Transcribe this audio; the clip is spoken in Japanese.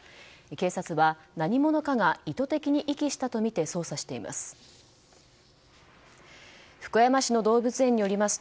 警察は何者かが意図的に遺棄したとみて捜査しています。